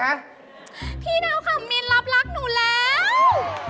พี่เด้อกับมินรับรักหนูแล้ว